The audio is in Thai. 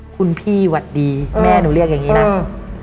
คุณพี่สวัสดีแม่หนูเรียกอย่างงี้นะอืม